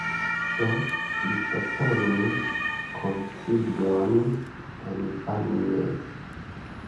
Do, li proponis koncilion en Vannes.